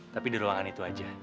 tapi di ruangan itu aja